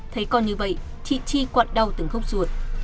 thấy con như vậy chị tri quặn đau từng khóc ruột